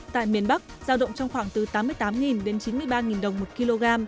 tại miền bắc giao động trong khoảng từ tám mươi tám đến chín mươi ba đồng một kg